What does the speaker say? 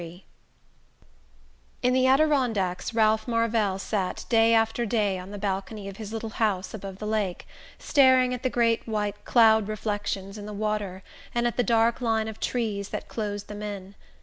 XXIII In the Adirondacks Ralph Marvell sat day after day on the balcony of his little house above the lake, staring at the great white cloud reflections in the water and at the dark line of trees that closed them in.